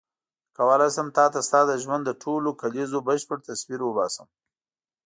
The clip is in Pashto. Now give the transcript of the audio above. کولای شم تا ته ستا د ژوند د ټولو کلیزو بشپړ تصویر وباسم.